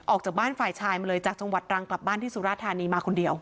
ออกจากบ้านฝ่ายชายมาเลยจากจังหวัดตรังกลับบ้านที่สุราธานีมาคนเดียว